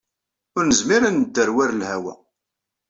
Ur nezmir ad nedder war lhawa.